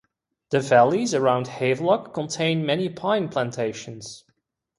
The valleys around Havelock contain many pine plantations.